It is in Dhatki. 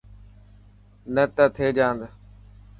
نه ته ٿي جاند.